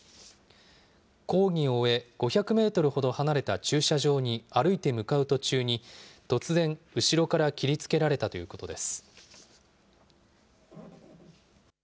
講義を終え、５００メートルほど離れた駐車場に歩いて向かう途中に、突然、後ろから切りつけられたということです。